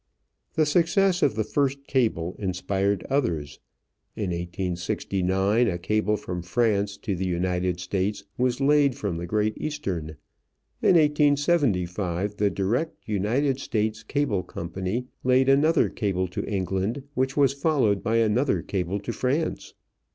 The success of the first cable inspired others. In 1869 a cable from France to the United States was laid from the Great Eastern. In 1875 the Direct United States Cable Company laid another cable to England, which was followed by another cable to France.